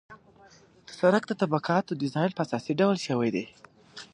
د سرک د طبقاتو ډیزاین په اساسي ډول شوی دی